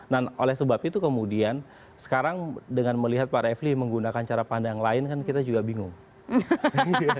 dan oleh sebab itu kemudian sekarang dengan melihat pak refli menggunakan cara pandang lain kan kita juga bingung